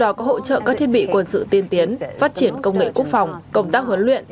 đó có hỗ trợ các thiết bị quân sự tiên tiến phát triển công nghệ quốc phòng công tác huấn luyện